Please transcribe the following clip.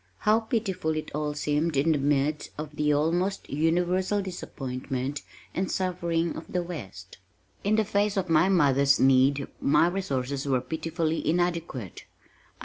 How pitiful it all seemed in the midst of the almost universal disappointment and suffering of the West! In the face of my mother's need my resources were pitifully inadequate.